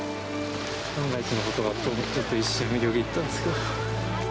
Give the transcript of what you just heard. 万が一のことをちょっと一瞬よぎったんですけど。